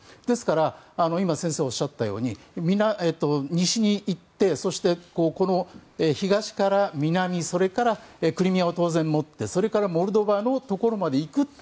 ですから、今先生がおっしゃったように西に行って、そして東から南それからクリミアを当然持ってそれからモルドバのところまで行く。